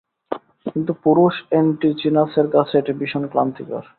কিন্তু পুরুষ অ্যান্টিচিনাসের কাছে এটি ভীষণ ক্লান্তিকর।